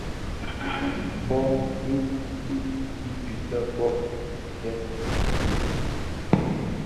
Bō dhi di yiti lè bō ghèbku fe?